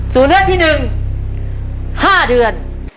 ตัวเลือกที่๑๕เดือน